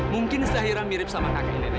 mungkin zaira mirip sama kakak neneknya